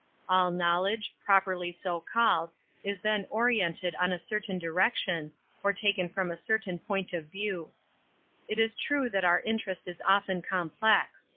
All knowledge, prop V. erly so called, is t hen o ri ented in a cer tain 1 7 direction, or taken from a certain^ppint of / view. It is true that our interest is often/ complex.